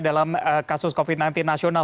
dalam kasus covid sembilan belas nasional